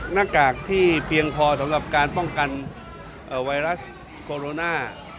หน้ากากที่เพียงพอสำหรับการป้องกันไวรัสโคโรนา